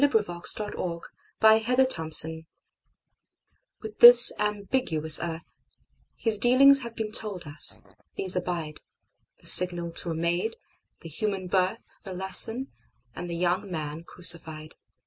Christ in the Universe WITH this ambiguous earthHis dealings have been told us. These abide:The signal to a maid, the human birth, The lesson, and the young Man crucified.